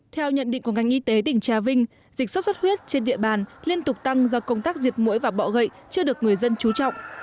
theo nhận định của ngành y tế tỉnh trà vinh dịch sốt xuất huyết trên địa bàn liên tục tăng do công tác diệt mũi và bọ gậy chưa được người dân trú trọng